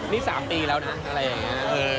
นี่๓ปีแล้วนะอะไรอย่างนี้